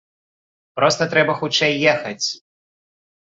Проста трэба хутчэй ехаць!